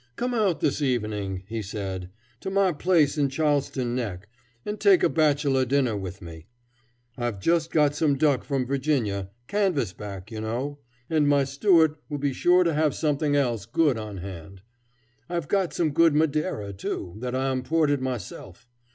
"Come out this evening," he said, "to my place in Charleston Neck, and take a bachelor dinner with me. I've just got some duck from Virginia, canvas back, you know, and my steward will be sure to have something else good on hand. I've got some good madeira too, that I imported myself.